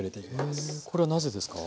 へえこれはなぜですか？